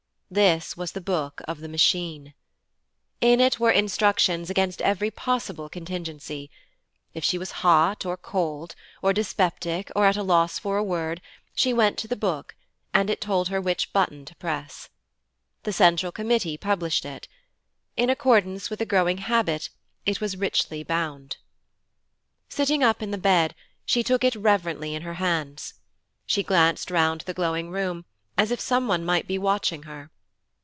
This was the Book of the Machine. In it were instructions against every possible contingency. If she was hot or cold or dyspeptic or at a loss for a word, she went to the book, and it told her which button to press. The Central Committee published it. In accordance with a growing habit, it was richly bound. Sitting up in the bed, she took it reverently in her hands. She glanced round the glowing room as if some one might be watching her.